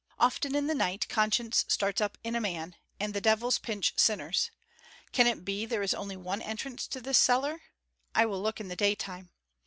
Often in the night conscience starts up in a man, and the devils pinch sinners. Can it be there is only one entrance to this cellar? I will look in the daytime.